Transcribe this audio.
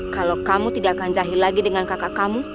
kalau kamu tidak akan jahit lagi dengan kakak kamu